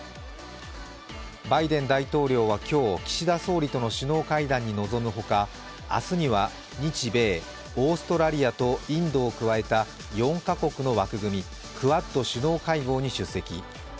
バイデン大統領は今日、岸田総理の首脳会談に臨むほか明日には日米、オーストラリアとインドを加えた４カ国の枠組み、クアッド首脳会合に出席。